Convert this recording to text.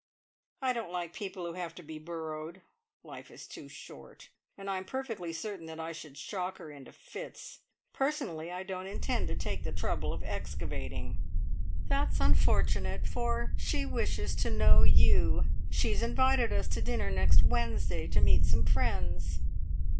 "I don't like people who have to be burrowed. Life is too short. And I am perfectly certain that I should shock her into fits. Personally, I don't intend to take the trouble of excavating!" "That's unfortunate, for she wishes to know you. She has invited us to dinner next Wednesday to meet some friends."